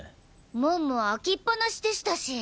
門も開きっ放しでしたし。